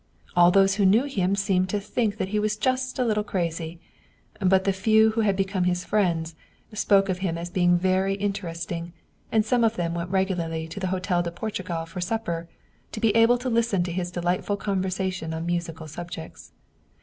All those who knew him seemed to think that he was just a little crazy. But the few who had become his friends spoke of him as being very inter esting, and some of them went regularly to the Hotel de Portugal for supper, to be able to listen to his delightful conversation on musical subjects.